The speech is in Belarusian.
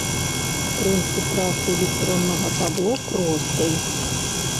Прынцып працы электроннага табло просты.